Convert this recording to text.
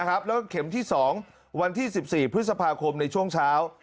แล้วก็เข็มที่๒วันที่๑๔พฤษภาคมในช่วงเช้า